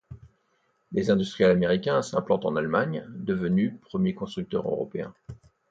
Des industriels américains s'implantent en Allemagne, devenue premier constructeur européen.